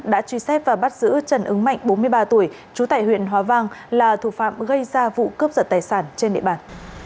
đã truy xếp và bắt giữ trần ứng mạnh bốn mươi ba tuổi chú tài huyện hóa vang là thủ phạm gây ra vụ cướp giật tài sản trên địa bàn